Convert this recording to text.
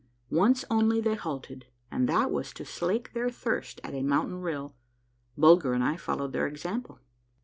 Once only they halted, and that was to slake their thirst at a mountain rill, Bulger and I following their example.